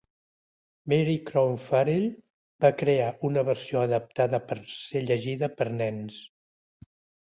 Mary Cronk Farell va crear una versió adaptada per ser llegida per nens.